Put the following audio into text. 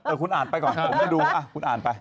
คุณอ่านไปก่อนผมจะดูคุณอ่านไป